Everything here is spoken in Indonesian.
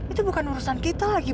itu bukan urusan kita lagi